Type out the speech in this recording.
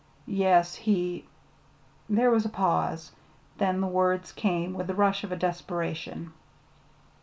"Yes; he " There was a pause, then the words came with the rush of desperation.